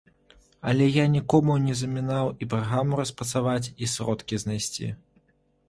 Але я нікому не замінаў і праграму распрацаваць, і сродкі знайсці.